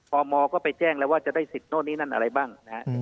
มก็ไปแจ้งแล้วว่าจะได้สิทธิโน่นนี่นั่นอะไรบ้างนะฮะ